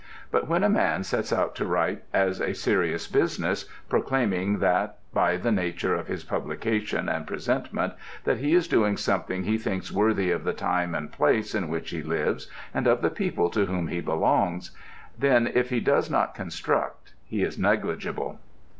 But when a man sets out to write as a serious business, proclaiming that by the nature of his publication and presentment that he is doing something he thinks worthy of the time and place in which he lives and of the people to whom he belongs, then if he does not construct he is negligible.